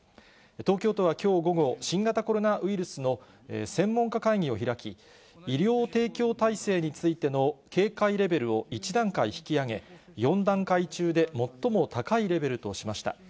東京都はきょう午後、新型コロナウイルスの専門家会議を開き、医療提供体制についての警戒レベルを１段階引き上げ、４段階中で最も高いレベルとしました。